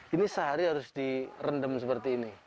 ini sehari harus direndam seperti ini